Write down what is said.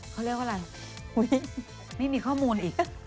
เขาเรียกว่าอะไรอุ๊ยไม่มีข้อมูลอีก